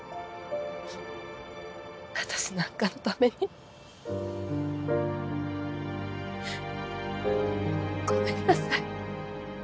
私なんかのためにごめんなさい。